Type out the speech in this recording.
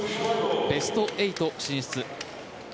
ベスト８進出。